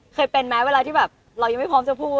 เคยเป็นไหมเวลาที่แบบเรายังไม่พร้อมจะพูด